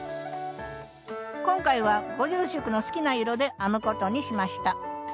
今回はご住職の好きな色で編むことにしました。